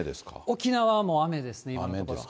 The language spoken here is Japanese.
沖縄も雨ですね、今のところ。